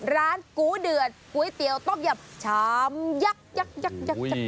๐๙๗๔๙๐๙๑๙๑ร้านกูเดือดก๋วยเตี๋ยวต๊อบหยับชามยักษ์ยักษ์ยักษ์ยักษ์